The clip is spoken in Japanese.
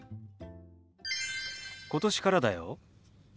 今年からだよ。